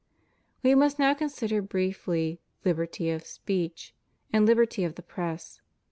We must now consider briefly liberty of speech, and liberty of the Press.